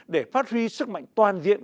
để phát huy sức mạnh toàn diện